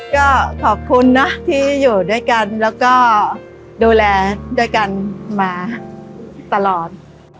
ก็ขอบคุณนะที่อยู่ด้วยกันแล้วก็ดูแลด้วยกันมาตลอด